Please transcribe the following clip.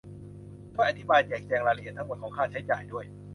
ช่วยอธิบายแจกแจงรายละเอียดทั้งหมดของค่าใช้จ่ายด้วย